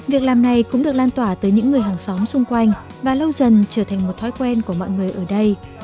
việc làm này cũng được lan tỏa tới những người hàng xóm xung quanh và lâu dần trở thành một thói quen của mọi người ở đây